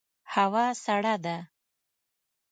هوا سړه ده